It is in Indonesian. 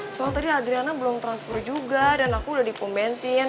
soal tadi adriana belum transfer juga dan aku udah dipum bensin